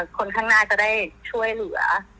คนข้างหน้าจะได้ช่วยเหลือ